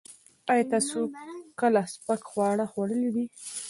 ایا تاسو کله سپک خواړه خوړلي دي؟